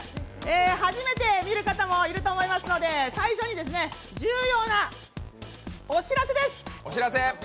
初めて見る方もいると思いますので最初に重要なお知らせです！